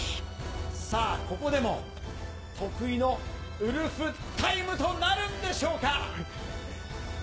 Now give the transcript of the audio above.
さあ、ここでも得意のウルフタイムとなるんでしょうか。